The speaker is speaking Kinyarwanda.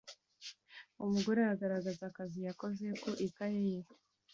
Umugore agaragaza akazi yakoze ku ikaye ye